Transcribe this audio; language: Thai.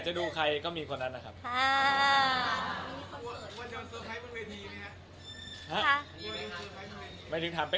จบกันทะเลาะ